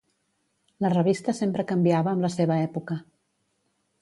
La revista sempre canviava amb la seva època.